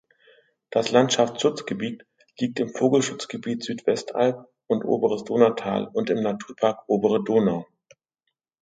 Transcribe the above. Das Landschaftsschutzgebiet liegt im Vogelschutzgebiet Südwestalb und Oberes Donautal und im Naturpark Obere Donau.